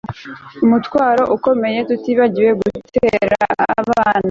umutwaro ukomeye, tutibagiwe gutera abana